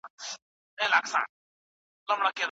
جینونه د وزن په کنټرول کې رول لري.